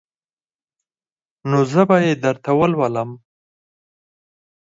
نو زه به يې درته ولولم.